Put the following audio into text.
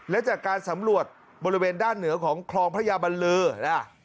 และจากการสำรวจบริเวณด้านเหนือของคลองพระยาบัลเลอร์นะ